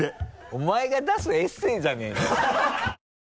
お前が出すエッセーじゃないの？